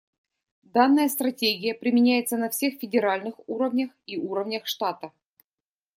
Данная стратегия применяется на всех федеральных уровнях и уровнях штата.